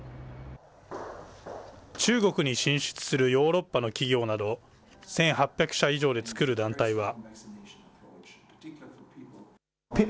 中国に進出するヨーロッパの企業など、１８００社以上で作る団体は。